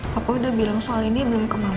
papa udah bilang soal ini belum ke mama